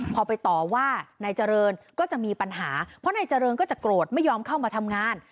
พอไปต่อว่านายเจริญก็จะมีปัญหาเพราะนายเจริญก็จะโกรธไม่ยอมเข้ามาทำงาน